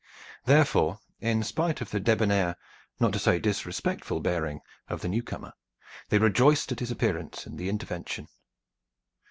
Therefore, in spite of the debonair, not to say disrespectful, bearing of the newcomer, they rejoiced at his appearance and intervention.